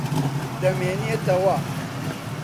دەمێنێتەوە.